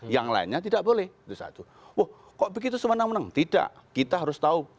yang lainnya tidak boleh itu satu wah kok begitu semenang menang tidak kita harus tahu